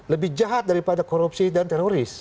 lebih jahat daripada korupsi dan teroris